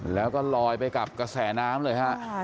แล้วก็ลอยไปกับกระแสน้ำเลยฮะ